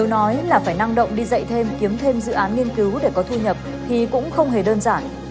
nói là phải năng động đi dạy thêm kiếm thêm dự án nghiên cứu để có thu nhập thì cũng không hề đơn giản